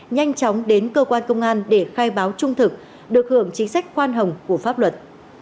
nhanh chóng đến cơ quan công an để khai báo trung thực được hưởng chính sách khoan hồng của pháp luật